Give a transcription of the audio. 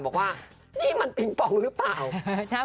บอกว่านี่มันปิงปองหรือเปล่า